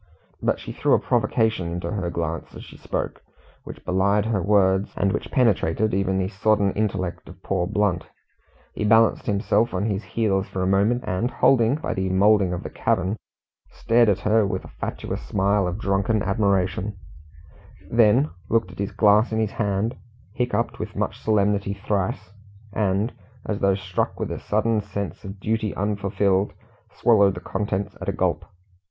But she threw a provocation into her glance as she spoke, which belied her words, and which penetrated even the sodden intellect of poor Blunt. He balanced himself on his heels for a moment, and holding by the moulding of the cabin, stared at her with a fatuous smile of drunken admiration, then looked at the glass in his hand, hiccuped with much solemnity thrice, and, as though struck with a sudden sense of duty unfulfilled, swallowed the contents at a gulp.